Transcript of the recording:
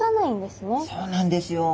そうなんですよ。